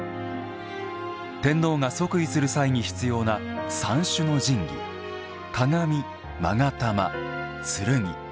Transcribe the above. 天皇が即位する際に必要な三種の神器鏡、まが玉、剣。